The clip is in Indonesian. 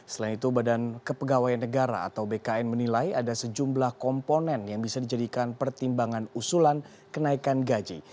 selain itu badan kepegawaian negara atau bkn menilai ada sejumlah komponen yang bisa dijadikan pertimbangan usulan kenaikan gaji